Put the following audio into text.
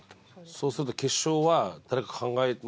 そうすると決勝は誰か考え。